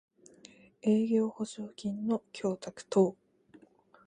営業保証金の供託等